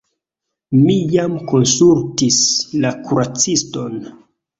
Mi jam konsultis la kuraciston.